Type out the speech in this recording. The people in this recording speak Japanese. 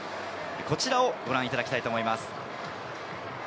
こちらをご覧いただきたいと思います。